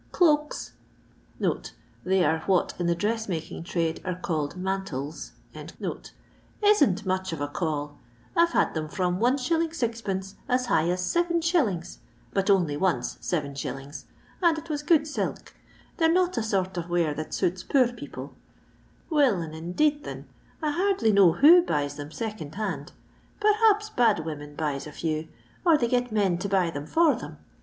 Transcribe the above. Ctoait (they are what in the dress making trade are callel mantles) isn't much of a call. I 've had them from Is. 6d. as high as 7s. — but only once 7s., and it was good silk. They re not a sort of wear that suits poor people. Will and indeed thin, I hardly know who buys theni second hand. Perhaps bad women buys a few, or they get men to buy them for them.